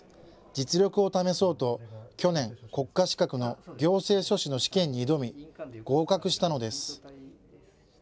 実力を試そうと去年、国家資格の行政書士の試験に挑み合格したのです。